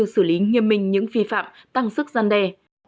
xử lý nghiêm minh những phi phạm tăng sức gian đề